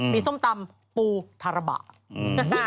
มีส้มตำปูทาระบะ